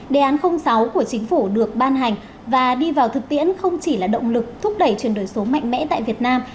đề án sáu của chính phủ được ban hành và đi vào thực tiễn không chỉ là động lực thúc đẩy chuyển đổi số mạnh mẽ tại việt nam